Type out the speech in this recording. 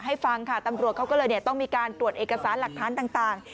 ฟังค่ะตำรวจเขาก็เลยต้องมีการตรวจเอกสารหลักฐานต่าง